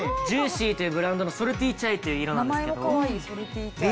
Ｊｏｏｃｙｅｅというブランドのソルティチャイという色なんですけど。